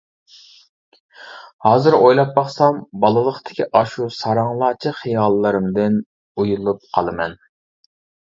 ھازىر ئويلاپ باقسام بالىلىقتىكى ئاشۇ ساراڭلارچە خىياللىرىمدىن ئۇيىلىپ قالىمەن.